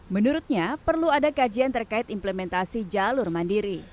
menurutnya perlu ada kajian terkait implementasi jalur mandiri